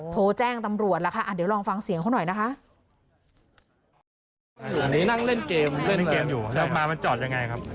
โทรแจ้งตำรวจแล้วค่ะเดี๋ยวลองฟังเสียงเขาหน่อยนะคะ